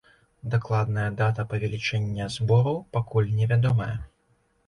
Дакладная дата павелічэння збору пакуль невядомая.